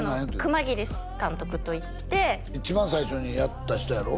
熊切監督といって一番最初にやった人やろ？